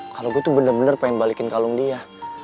kalau gue tuh bener bener pengen balikin kalung dia